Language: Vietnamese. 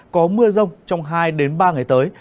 có mưa rông trong hai ba ngày tới